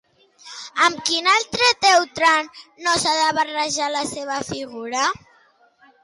Amb quin altre Teutrant no s'ha de barrejar la seva figura?